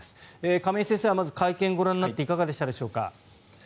亀井先生はまず会見をご覧になっていかがでしたでしょうか。